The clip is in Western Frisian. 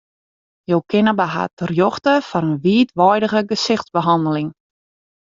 Jo kinne by har terjochte foar in wiidweidige gesichtsbehanneling.